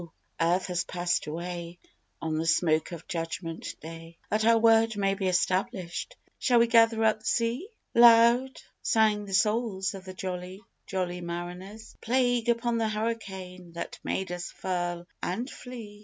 Earth has passed away On the smoke of Judgment Day. That Our word may be established shall We gather up the sea?" Loud sang the souls of the jolly, jolly mariners: "Plague upon the hurricane that made us furl and flee!